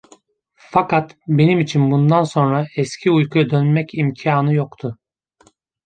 Fakat benim için bundan sonra eski uykuya dönmek imkânı yoktu.